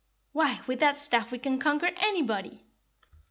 "Why, with that staff we can conquer anybody."